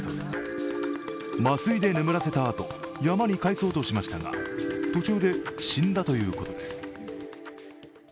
麻酔で眠らせたあと、山に帰そうとしましたが途中で死んだということです。